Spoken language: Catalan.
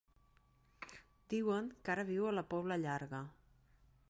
Diuen que ara viu a la Pobla Llarga.